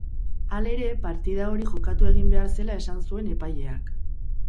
Halere, partida hori jokatu egin behar zela esan zuen epaileak.